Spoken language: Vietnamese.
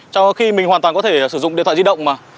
cho khi mình hoàn toàn có thể sử dụng điện thoại di động mà